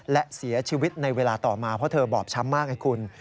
และเสียชีวิตในเวลาต่อมาเพราะเธอบอบช้ำมากไงคุณ